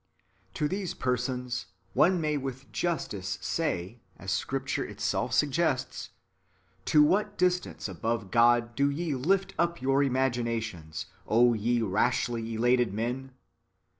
To these persons one may with justice say (as Scrip ture itself suggests). To what distance above God do ye lift up your imaginations, O ye rashly elated men